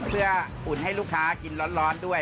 เพื่ออุ่นให้ลูกค้ากินร้อนด้วย